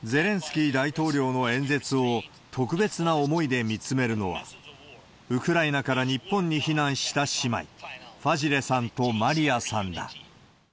ゼレンスキー大統領の演説を特別な思いで見つめるのは、ウクライナから日本に避難した姉妹、ファジレさんとマリアさんだ。